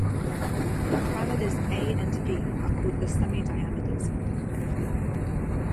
The parameters "a" and "b" are called the "semi-diameters" of the curve.